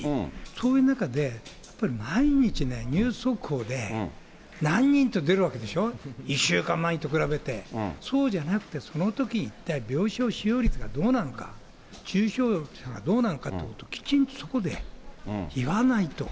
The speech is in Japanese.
そういう中で、毎日ね、ニュース速報で、何人って出るわけでしょ、１週間前と比べて、そうじゃなくて、そのとき一体、病床使用率がどうなのか、重症者がどうなのかということを、きちんとそこで言わないと。